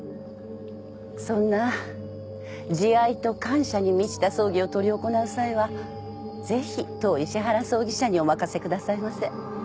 そんな慈愛と感謝に満ちた葬儀を執り行う際はぜひ当石原葬儀社にお任せくださいませ。